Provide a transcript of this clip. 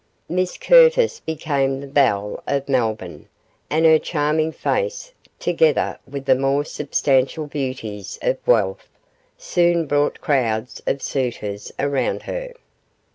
Miss Curtis became the belle of Melbourne, and her charming face, together with the more substantial beauties of wealth, soon brought crowds of suitors around her.